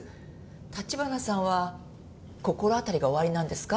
橘さんは心当たりがおありなんですか？